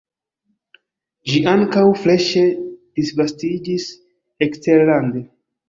Ĝi ankaŭ freŝe disvastiĝis eksterlande.